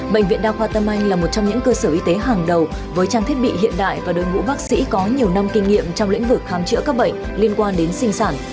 bệnh viện đa khoa tâm anh là một trong những cơ sở y tế hàng đầu với trang thiết bị hiện đại và đội ngũ bác sĩ có nhiều năm kinh nghiệm trong lĩnh vực khám chữa các bệnh liên quan đến sinh sản